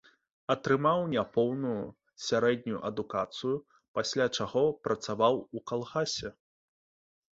Атрымаў няпоўную сярэднюю адукацыю, пасля чаго працаваў у калгасе.